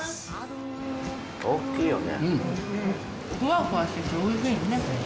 ・大きいよね。